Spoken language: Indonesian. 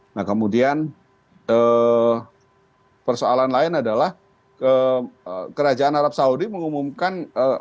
nah kemudian persoalan lain adalah kerajaan arab saudi mengumumkan